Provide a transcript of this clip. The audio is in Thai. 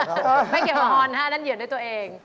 ไม่เกี่ยวกับออนฮะนั่นเหยียดด้วยตัวเอง